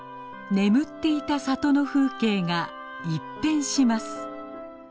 眠っていた里の風景が一変します。